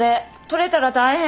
取れたら大変。